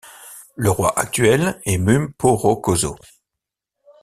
Le roi actuel est Mumporokoso.